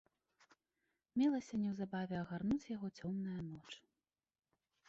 Мелася неўзабаве агарнуць яго цёмная ноч.